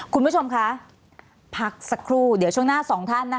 คุณผู้ชมพักสักครู่เดี๋ยวช่วงหน้า๒ท่าน